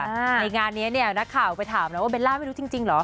ในงานนี้เนี่ยนักข่าวไปถามนะว่าเบลล่าไม่รู้จริงเหรอ